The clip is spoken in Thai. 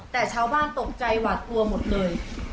แต่ชาวบ้านตกใจหวาดกลัวหมดเลย